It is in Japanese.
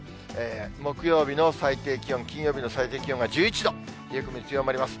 木曜日の最低気温、金曜日の最低気温が１１度、冷え込み強まります。